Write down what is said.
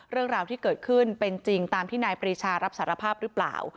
เรื่องราวที่เกิดขึ้นเป็นจริงตามที่นายปรีชารับสารภาพหรือเปล่า